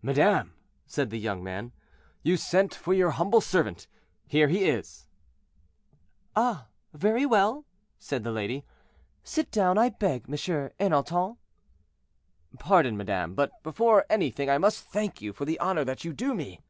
"Madame," said the young man, "you sent for your humble servant—here he is." "Ah! very well," said the lady; "sit down, I beg, M. Ernanton." "Pardon, madame, but before anything I must thank you for the honor that you do me."